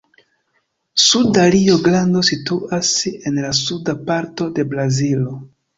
Suda Rio-Grando situas en la suda parto de Brazilo.